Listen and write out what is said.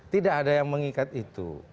tidak ada yang mengikat itu